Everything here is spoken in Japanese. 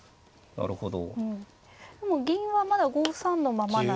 なるほど。